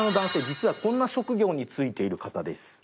実はこんな職業に就いている方です。